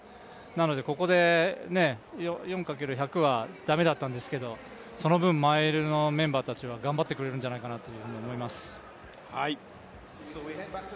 なのでここで４×１００は駄目だったんですけどその分マイルのメンバーたちは頑張ってくれるんじゃないかなと思います。